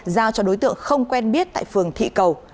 giao cho đối tượng không quen biết tại phường thị cầu